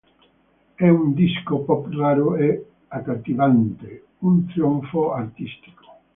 È un disco pop raro e accattivante, un trionfo artistico.